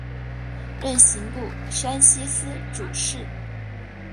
任刑部山西司主事。